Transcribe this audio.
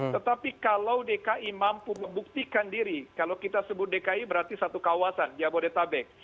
tetapi kalau dki mampu membuktikan diri kalau kita sebut dki berarti satu kawasan jabodetabek